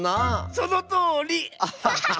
そのとおり！